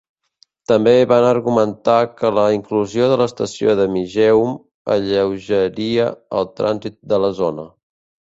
També van argumentar que la inclusió de l'estació de Migeum alleugeria el trànsit de la zona.